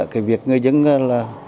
cái việc người dân là